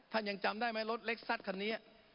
ท่านยังจำได้มั้ยรถเล็กซัสคันนี้